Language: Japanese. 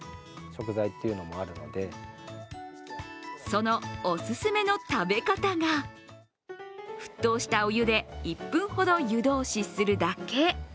そのおすすめの食べ方が沸騰したお湯で１分ほど湯通しするだけ。